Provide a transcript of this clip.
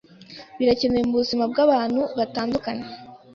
birakenewe mubuzima bwabantu batandukanye